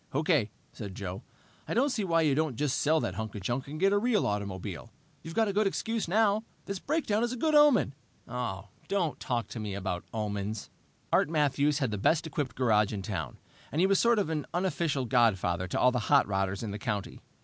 "Okay," said Joe. "I don't see why you don't just sell that hunk of junk and get a real automobile. You've got a good excuse now. This breakdown is a good omen!" "Don't talk to me about omens!" Art Matthews had the best equipped garage in town, and was a sort of unofficial godfather to all the hot rodders in the county.